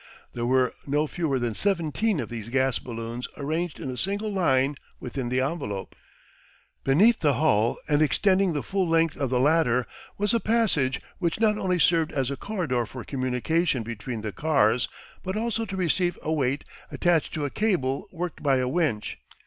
There were no fewer than seventeen of these gas balloons arranged in a single line within the envelope. Beneath the hull and extending the full length of the latter was a passage which not only served as a corridor for communication between the cars, but also to receive a weight attached to a cable worked by a winch.